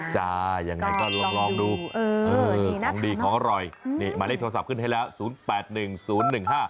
จ้ายังไงก็ลองดูของดีของอร่อยหมายเลขโทรศัพท์ขึ้นให้แล้ว๐๘๑๐๑๕๘๓๕๒